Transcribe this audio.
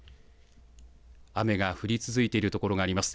雨が降り続いている所があります。